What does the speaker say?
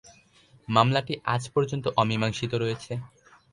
মামলাটি আজ পর্যন্ত অমীমাংসিত রয়েছে।